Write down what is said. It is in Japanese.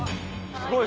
すごい！